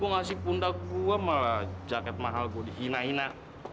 gue ngasih pundak gue malah jaket mahal gue dihina hina